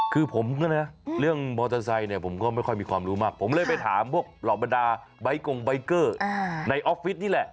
คือผมก็นะเรื่องมอเตอร์ไซค์เนี่ยผมก็ไม่ค่อยมีความรู้มากผมเลยไปถามพวกเหล่าบรรดาใบกงใบเกอร์ในออฟฟิศนี่แหละ